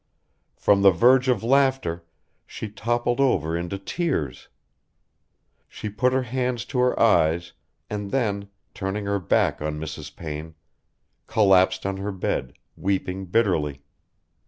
From the verge of laughter she toppled over into tears. She put her hands to her eyes and then, turning her back on Mrs. Payne, collapsed on her bed, weeping bitterly.